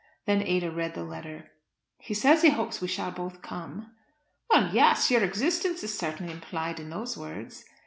Then Ada read the letter. "He says he hopes we shall both come." "Well, yes! Your existence is certainly implied in those words."